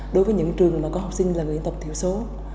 đối với những trường mà có học sinh là người dân tộc thiểu số